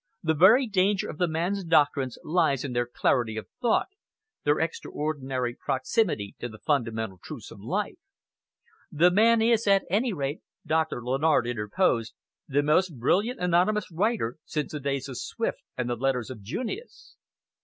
"The very danger of the man's doctrines lies in their clarity of thought, their extraordinary proximity to the fundamental truths of life." "The man is, at any rate," Doctor Lennard interposed, "the most brilliant anonymous writer since the days of Swift and the letters of Junius."